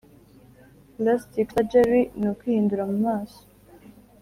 Pulasitiki sajari ni ukwihindura mumaso.